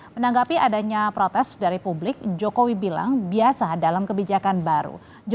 menanggapi adanya protes dari publik jokowi bilang biasa dalam kebijakan baru